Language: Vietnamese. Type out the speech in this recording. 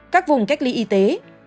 các vùng cách ly y tế